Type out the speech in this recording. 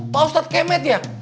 pak ustadz kemet ya